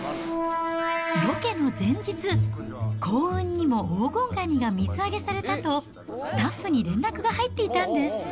ロケの前日、幸運にも黄金蟹が水揚げされたと、スタッフに連絡が入っていたんです。